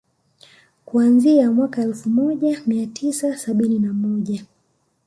Kuanzia mwaka elfu moja mia tisa sabini na moja